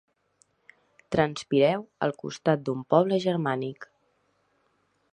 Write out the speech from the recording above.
Transpireu al costat d'un poble germànic.